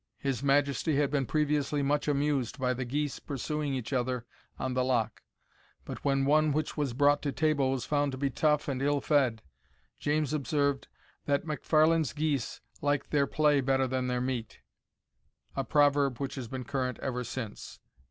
His Majesty had been previously much amused by the geese pursuing each other on the Loch. But, when one which was brought to table, was found to be tough and ill fed, James observed "that MacFarlane's geese liked their play better than their meat," a proverb which has been current ever since.